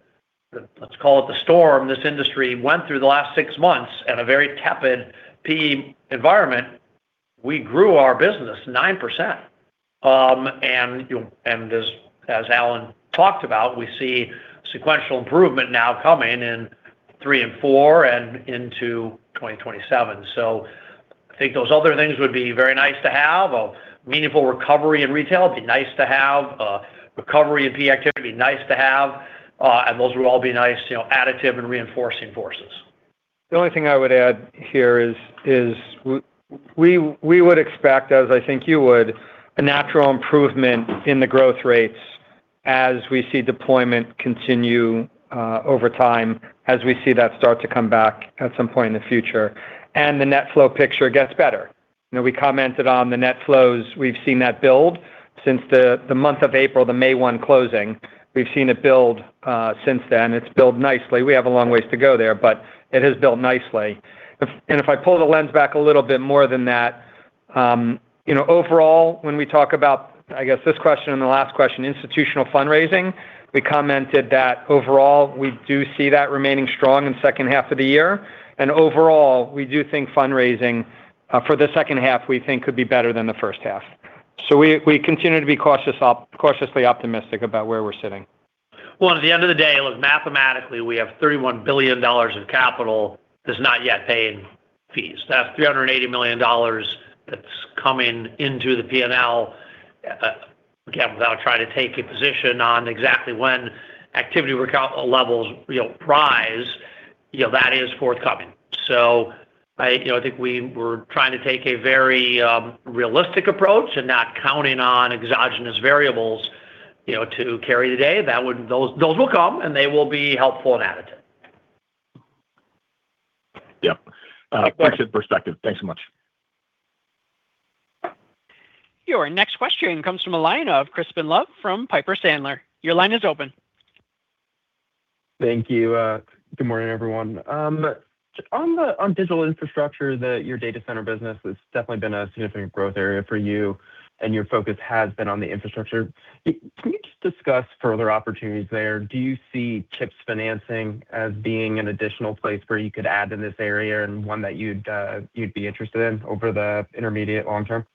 let's call it the storm this industry went through the last six months and a very tepid PE environment, we grew our business 9%. As Alan talked about, we see sequential improvement now coming in three and four and into 2027. I think those other things would be very nice to have. A meaningful recovery in retail would be nice to have. A recovery in PE activity would be nice to have. Those would all be nice additive and reinforcing forces. The only thing I would add here is we would expect, as I think you would, a natural improvement in the growth rates as we see deployment continue over time, as we see that start to come back at some point in the future, and the net flow picture gets better. We commented on the net flows. We've seen that build since the month of April, the May 1 closing. We've seen it build since then. It's built nicely. We have a long ways to go there, but it has built nicely. If I pull the lens back a little bit more than that, overall, when we talk about, I guess, this question and the last question, institutional fundraising, we commented that overall, we do see that remaining strong in the second half of the year. Overall, we do think fundraising for the second half, we think, could be better than the first half. We continue to be cautiously optimistic about where we're sitting. Well, at the end of the day, look, mathematically, we have $31 billion of capital that's not yet paying fees. That's $380 million that's coming into the P&L. Again, without trying to take a position on exactly when activity levels rise, that is forthcoming. I think we're trying to take a very realistic approach and not counting on exogenous variables to carry the day. Those will come, and they will be helpful and additive. Yep. Excellent perspective. Thanks so much. Your next question comes from the line of Crispin Love from Piper Sandler. Your line is open. Thank you. Good morning, everyone. On Digital Infrastructure, your data center business has definitely been a significant growth area for you, and your focus has been on the infrastructure. Can you just discuss further opportunities there? Do you see chips financing as being an additional place where you could add in this area and one that you'd be interested in over the intermediate long term?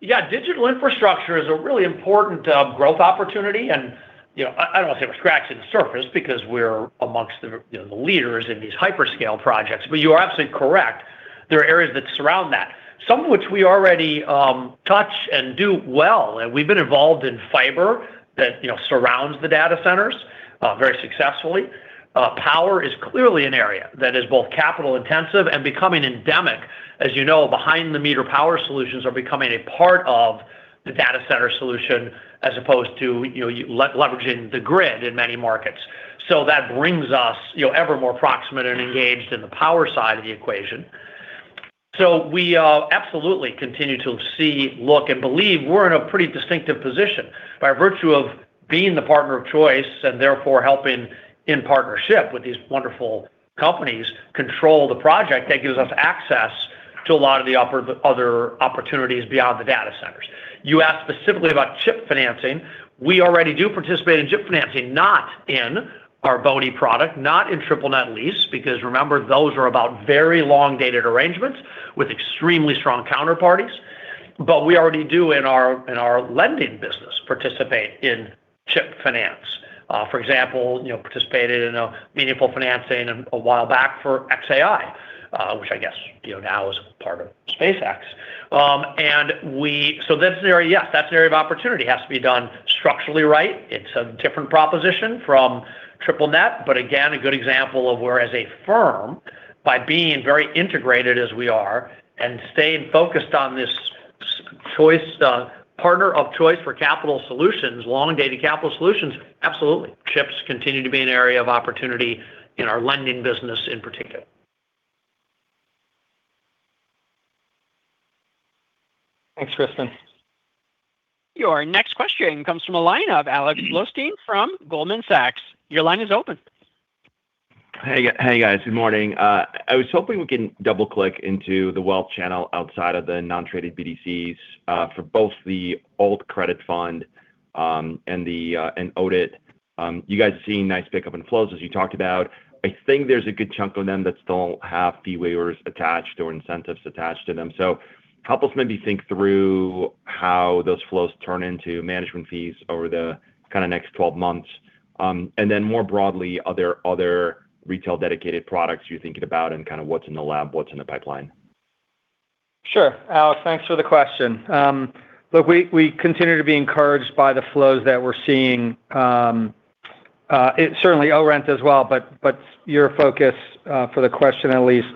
Digital Infrastructure is a really important growth opportunity, I don't want to say we're scratching the surface because we're amongst the leaders in these hyperscale projects. You are absolutely correct. There are areas that surround that, some of which we already touch and do well. We've been involved in fiber that surrounds the data centers very successfully. Power is clearly an area that is both capital-intensive and becoming endemic. As you know, behind-the-meter power solutions are becoming a part of the data center solution, as opposed to leveraging the grid in many markets. We absolutely continue to see, look, and believe we're in a pretty distinctive position. By virtue of being the partner of choice and therefore helping in partnership with these wonderful companies control the project, that gives us access to a lot of the other opportunities beyond the data centers. You asked specifically about chip financing. We already do participate in chip financing, not in our BODI product, not in triple-net lease, because remember, those are about very long-dated arrangements with extremely strong counterparties. We already do in our lending business participate in chip finance. For example, participated in a meaningful financing a while back for xAI which I guess now is part of SpaceX. That's an area, yes. That's an area of opportunity. It has to be done structurally right. It's a different proposition from triple-net. Again, a good example of where, as a firm, by being very integrated as we are and staying focused on this partner of choice for capital solutions, long-dated capital solutions, absolutely, chips continue to be an area of opportunity in our lending business in particular. Thanks, Crispin. Your next question comes from a line of Alex Blostein from Goldman Sachs. Your line is open. Hey, guys. Good morning. I was hoping we can double-click into the wealth channel outside of the non-traded BDCs for both the OWLCX and ODIT. You guys are seeing nice pickup in flows, as you talked about. I think there's a good chunk of them that don't have fee waivers attached or incentives attached to them. Help us maybe think through how those flows turn into management fees over the next 12 months. More broadly, are there other retail-dedicated products you're thinking about and what's in the lab, what's in the pipeline? Sure. Alex, thanks for the question. Look, we continue to be encouraged by the flows that we're seeing. Certainly ORENT as well, but your focus for the question at least,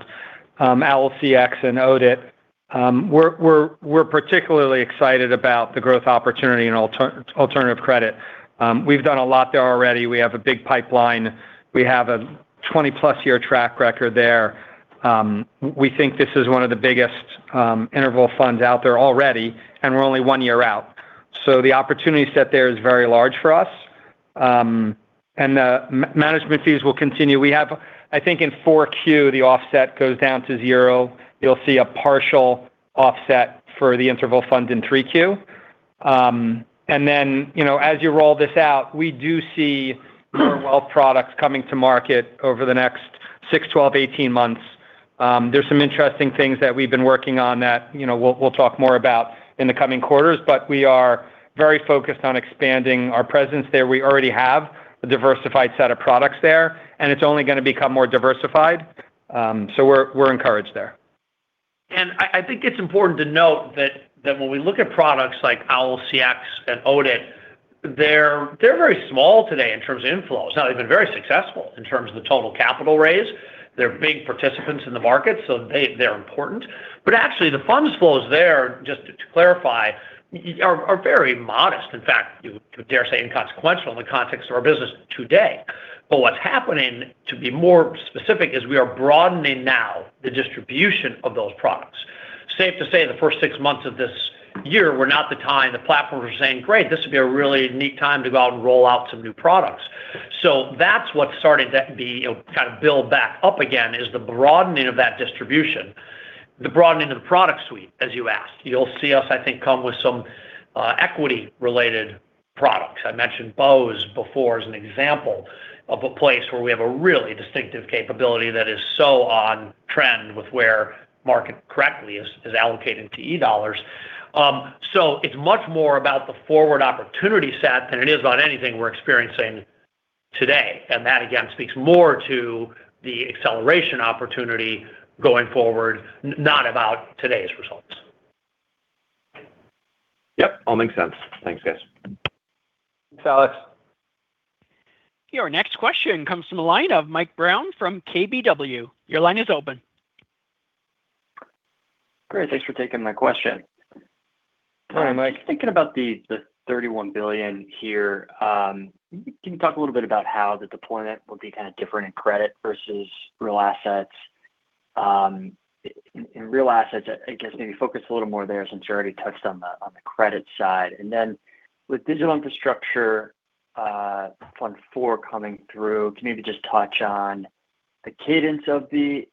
OWLCX and ODIT. We're particularly excited about the growth opportunity in Alternative Credit. We've done a lot there already. We have a big pipeline. We have a 20+ year track record there. We think this is one of the biggest interval funds out there already, and we're only one year out. The opportunity set there is very large for us. The management fees will continue. We have, I think in 4Q, the offset goes down to zero. You'll see a partial offset for the interval funds in 3Q. As you roll this out, we do see more wealth products coming to market over the next six, 12, 18 months. There's some interesting things that we've been working on that we'll talk more about in the coming quarters, but we are very focused on expanding our presence there. We already have a diversified set of products there, and it's only going to become more diversified. We're encouraged there. I think it's important to note that when we look at products like OWLCX and ODIT, they're very small today in terms of inflows. Now they've been very successful in terms of the total capital raise. They're big participants in the market, so they're important. Actually the funds flows there, just to clarify, are very modest. In fact, you could dare say inconsequential in the context of our business today. What's happening, to be more specific, is we are broadening now the distribution of those products. Safe to say in the first six months of this year were not the time the platforms were saying, "Great, this would be a really neat time to go out and roll out some new products." That's what started to be kind of build back up again, is the broadening of that distribution, the broadening of the product suite, as you asked. You'll see us, I think, come with some equity-related products. I mentioned BOSE before as an example of a place where we have a really distinctive capability that is so on-trend with where market correctly is allocating PE dollars. It's much more about the forward opportunity set than it is about anything we're experiencing today. That, again, speaks more to the acceleration opportunity going forward, not about today's results. Yep. All makes sense. Thanks, guys. Thanks, Alex. Your next question comes from the line of Mike Brown from KBW. Your line is open. Great. Thanks for taking my question. Hi, Mike. Thinking about the $31 billion here, can you talk a little bit about how the deployment will be kind of different in credit versus real assets? In real assets, I guess maybe focus a little more there since you already touched on the credit side. With Digital Infrastructure Fund IV coming through, can you maybe just touch on the cadence of the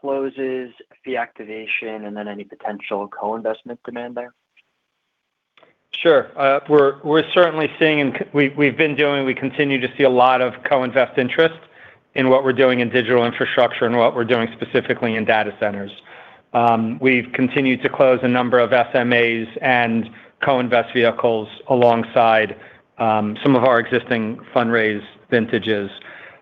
closes, fee activation, and then any potential co-investment demand there? Sure. We continue to see a lot of co-invest interest in what we're doing in Digital Infrastructure and what we're doing specifically in data centers. We've continued to close a number of SMAs and co-invest vehicles alongside some of our existing fundraise vintages.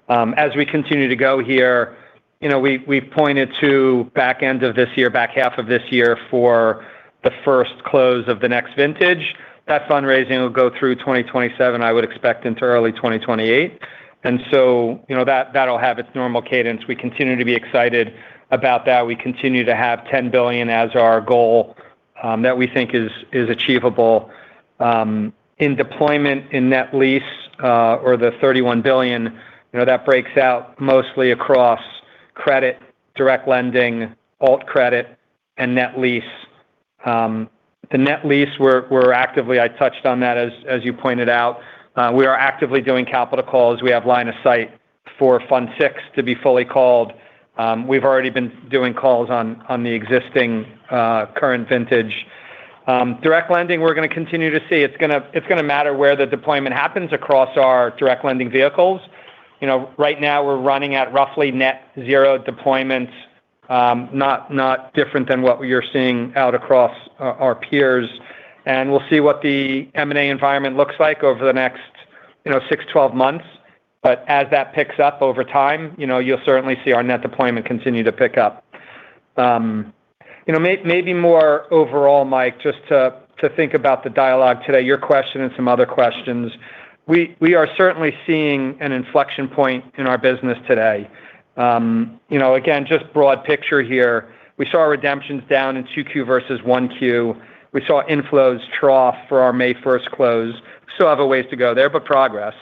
As we continue to go here, we've pointed to back end of this year, back half of this year for the first close of the next vintage. That fundraising will go through 2027, I would expect into early 2028. That'll have its normal cadence. We continue to be excited about that. We continue to have $10 billion as our goal that we think is achievable. In deployment in Net Lease, or the $31 billion, that breaks out mostly across credit, direct lending, alt credit, and Net Lease. The Net Lease, I touched on that as you pointed out. We are actively doing capital calls. We have line of sight for Fund VI to be fully called. We've already been doing calls on the existing current vintage. Direct lending, we're going to continue to see. It's going to matter where the deployment happens across our direct lending vehicles. Right now we're running at roughly net zero deployments, not different than what you're seeing out across our peers. We'll see what the M&A environment looks like over the next six, 12 months. As that picks up over time, you'll certainly see our net deployment continue to pick up. Maybe more overall, Mike, just to think about the dialogue today, your question and some other questions. We are certainly seeing an inflection point in our business today. Again, just broad picture here. We saw our redemptions down in 2Q versus 1Q. We saw inflows trough for our May 1st close. We still have a ways to go there, but progress.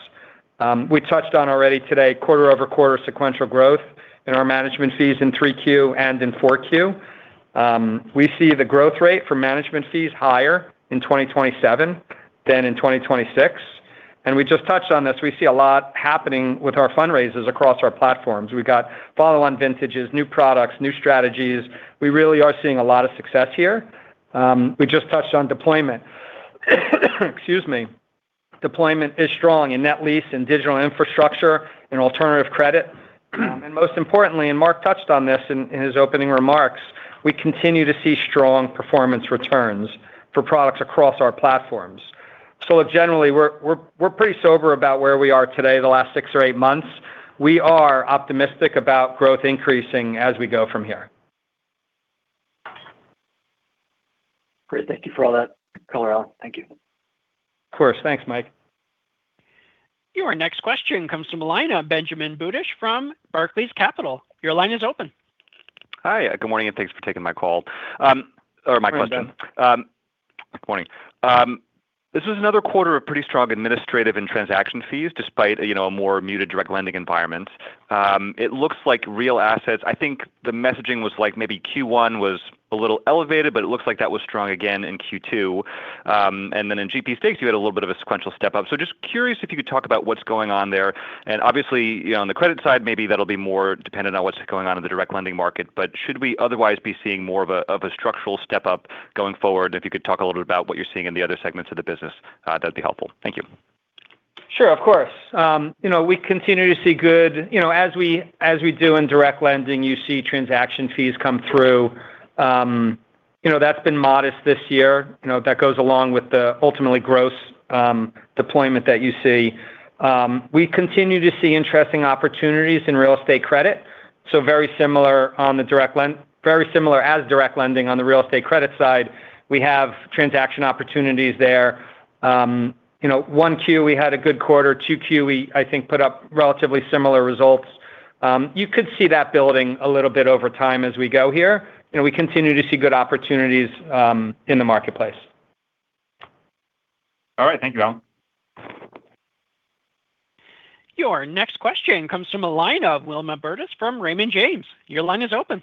We touched on already today quarter-over-quarter sequential growth in our management fees in 3Q and in 4Q. We see the growth rate for management fees higher in 2027 than in 2026. We just touched on this. We see a lot happening with our fundraisers across our platforms. We got follow-on vintages, new products, new strategies. We really are seeing a lot of success here. We just touched on deployment. Excuse me. Deployment is strong in Net Lease and Digital Infrastructure and Alternative Credit. Most importantly, Marc touched on this in his opening remarks, we continue to see strong performance returns for products across our platforms. Generally, we're pretty sober about where we are today, the last six or eight months. We are optimistic about growth increasing as we go from here. Great. Thank you for all that color, Alan. Thank you. Of course. Thanks, Mike. Your next question comes from the line of Benjamin Budish from Barclays Capital. Your line is open. Hi. Good morning. Thanks for taking my call, or my question. Morning, Ben. Good morning. This was another quarter of pretty strong administrative and transaction fees despite a more muted direct lending environment. It looks like real assets. I think the messaging was like maybe Q1 was a little elevated, but it looks like that was strong again in Q2. Then in GP stakes, you had a little bit of a sequential step-up. Just curious if you could talk about what's going on there. Obviously, on the credit side, maybe that'll be more dependent on what's going on in the direct lending market. Should we otherwise be seeing more of a structural step-up going forward? If you could talk a little bit about what you're seeing in the other segments of the business, that'd be helpful. Thank you. Sure. Of course. As we do in direct lending, you see transaction fees come through. That's been modest this year. That goes along with the ultimately gross deployment that you see. We continue to see interesting opportunities in real estate credit, very similar as direct lending on the real estate credit side. We have transaction opportunities there. Q1, we had a good quarter. Q2, I think, put up relatively similar results. You could see that building a little bit over time as we go here, we continue to see good opportunities in the marketplace. All right. Thank you, Alan. Your next question comes from a line of Wilma Burdis from Raymond James. Your line is open.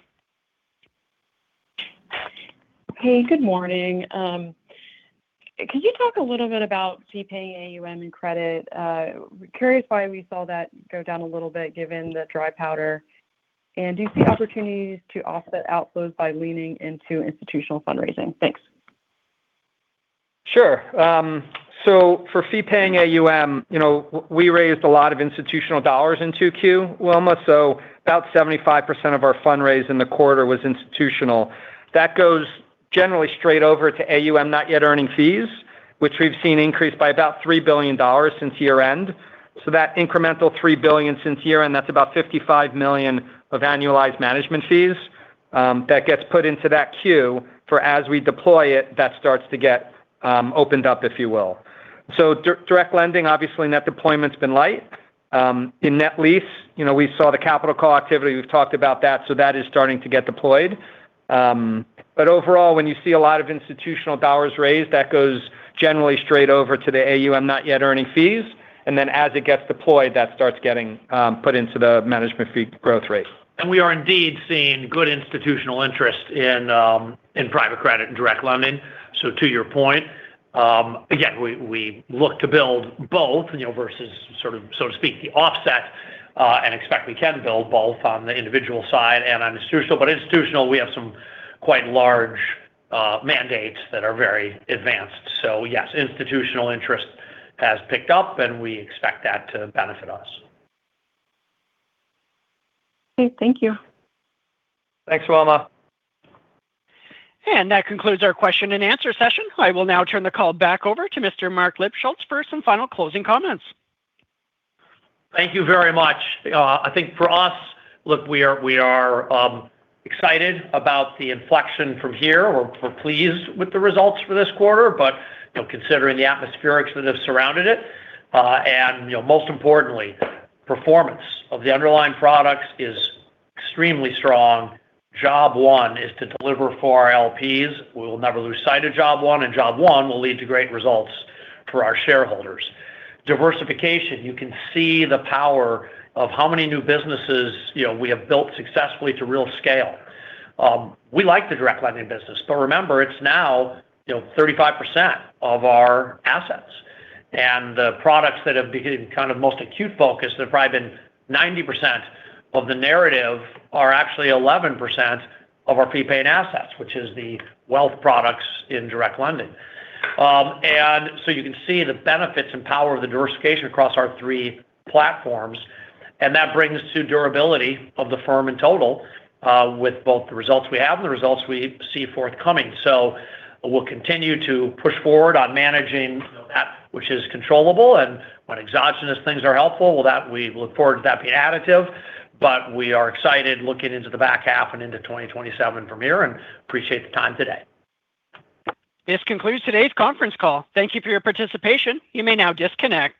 Hey, good morning. Can you talk a little bit about fee paying AUM and credit? Curious why we saw that go down a little bit given the dry powder. Do you see opportunities to offset outflows by leaning into institutional fundraising? Thanks. Sure. For fee paying AUM, we raised a lot of institutional dollars in Q2, Wilma. About 75% of our fundraise in the quarter was institutional. That goes generally straight over to AUM not yet earning fees, which we've seen increase by about $3 billion since year-end. That incremental $3 billion since year-end, that's about $55 million of annualized management fees that gets put into that queue for as we deploy it, that starts to get opened up, if you will. direct lending, obviously net deployment has been light. In Net Lease, we saw the capital call activity. We've talked about that. That is starting to get deployed. Overall, when you see a lot of institutional dollars raised, that goes generally straight over to the AUM not yet earning fees. As it gets deployed, that starts getting put into the management fee growth rate. We are indeed seeing good institutional interest in private credit and direct lending. To your point, again, we look to build both versus so to speak, the offset, and expect we can build both on the individual side and on institutional. Institutional, we have some quite large mandates that are very advanced. Yes, institutional interest has picked up, and we expect that to benefit us. Okay. Thank you. Thanks, Wilma. That concludes our question and answer session. I will now turn the call back over to Mr. Marc Lipschultz for some final closing comments. Thank you very much. I think for us, look, we are excited about the inflection from here. We're pleased with the results for this quarter, but considering the atmospherics that have surrounded it. Most importantly, performance of the underlying products is extremely strong. Job one is to deliver for our LPs. We will never lose sight of job one, and job one will lead to great results for our shareholders. Diversification, you can see the power of how many new businesses we have built successfully to real scale. We like the direct lending business, but remember, it's now 35% of our assets. The products that have been kind of most acute focus have probably been 90% of the narrative are actually 11% of our fee-paying assets, which is the wealth products in direct lending. You can see the benefits and power of the diversification across our three platforms. That brings to durability of the firm in total with both the results we have and the results we see forthcoming. We'll continue to push forward on managing that which is controllable, and when exogenous things are helpful, we look forward to that being additive. We are excited looking into the back half and into 2027 from here, and appreciate the time today. This concludes today's conference call. Thank you for your participation. You may now disconnect.